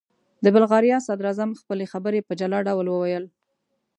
د بلغاریا صدراعظم خپلې خبرې په جلا ډول وویل.